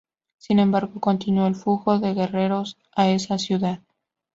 Sin embargo, continuó el flujo de guerreros a esa ciudad.